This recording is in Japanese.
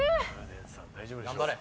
頑張れ。